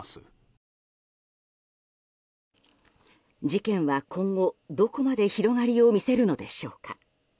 事件は今後、どこまで広がりを見せるのでしょうか。